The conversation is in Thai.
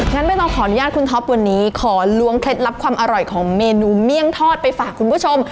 ไม่ต้องขออนุญาตคุณท็อปวันนี้ขอล้วงเคล็ดลับความอร่อยของเมนูเมี่ยงทอดไปฝากคุณผู้ชม